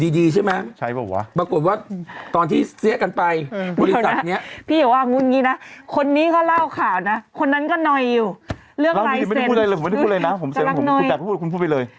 เรื่องลายเซ็นต์จะลักหน่อยคุณพูดไปเลยคุณพูดไปเลยคุณพูดไปเลย